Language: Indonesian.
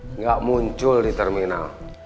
enggak muncul di terminal